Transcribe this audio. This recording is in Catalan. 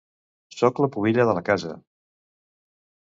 Sóc la pubilla de la casa